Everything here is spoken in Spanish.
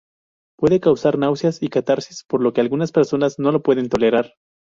Puede causar náuseas y catarsis, por lo que algunas personas no lo pueden tolerar.